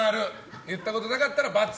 言ったことなかったら×。